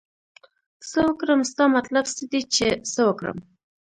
څه وکړم ستا مطلب څه دی چې څه وکړم